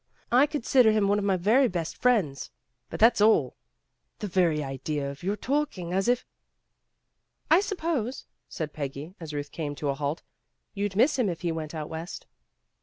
I consider him one of my very best friends. But that's all. The very idea of your talking as if "I suppose," said Peggy, as Ruth came to a halt, "you'd miss him if he went out West."